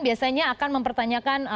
biasanya akan mempertanyakan